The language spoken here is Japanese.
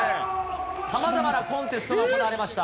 さまざまなコンテストが行われました。